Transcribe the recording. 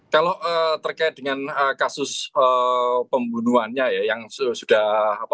kalau terkait dengan kasus pembunuhannya ya yang sudah